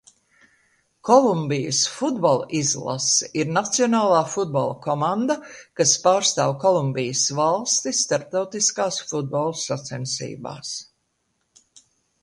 Kolumbijas futbola izlase ir nacionālā futbola komanda, kas pārstāv Kolumbijas valsti starptautiskās futbola sacensībās.